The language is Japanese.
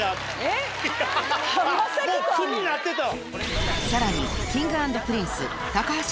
もう区になってたわ。